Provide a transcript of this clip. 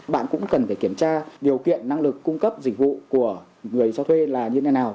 bạn cũng cần phải kiểm tra điều kiện năng lực cung cấp dịch vụ của người cho thuê là như thế nào